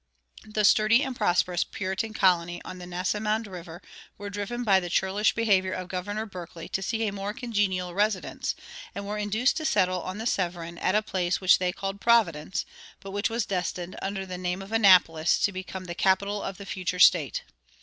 The sturdy and prosperous Puritan colony on the Nansemond River were driven by the churlish behavior of Governor Berkeley to seek a more congenial residence, and were induced to settle on the Severn at a place which they called Providence, but which was destined, under the name of Annapolis, to become the capital of the future State.